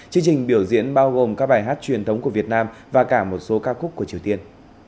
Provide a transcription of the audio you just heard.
chương trình biểu diễn bao gồm các bài hát truyền thống của việt nam và cả một số ca khúc của triều tiên